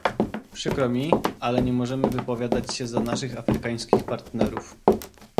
Przykro mi, ale nie możemy wypowiadać się za naszych afrykańskich partnerów